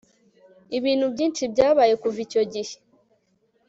Ibintu byinshi byabaye kuva icyo gihe